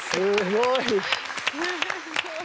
すごい。